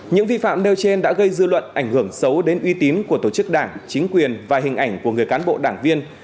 những vi phạm nêu trên đã gây dư luận ảnh hưởng xấu đến uy tín của tổ chức đảng chính quyền và hình ảnh của người cán bộ đảng viên